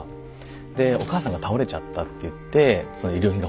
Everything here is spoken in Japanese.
で「お母さんが倒れちゃった」っていって「医療品が欲しい」。